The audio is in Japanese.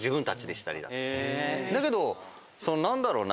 だけど何だろうな？